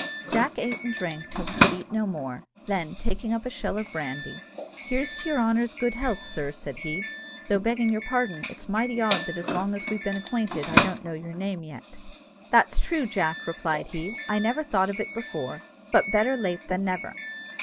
Jack ate and drank till he could eat no more: then, taking up a shell of brandy, "Here's to your honour's good health, sir," said he; "though, begging you pardon, it's mighty odd that as long as we've been acquainted I don't know your name yet." "That's true, Jack," replied he; "I never thought of it before, but better late than never.